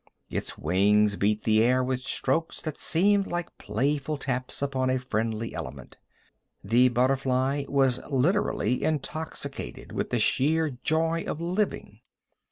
Its wings beat the air with strokes that seemed like playful taps upon a friendly element. The butterfly was literally intoxicated with the sheer joy of living.